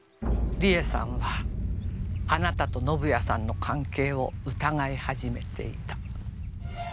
理恵さんはあなたと宣也さんの関係を疑い始めていた。